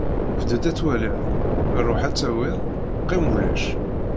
Bded, ad twaliḍ, ruḥ ad d-tawiḍ, qim ulac